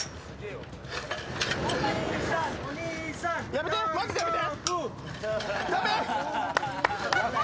やめて、マジでやめて！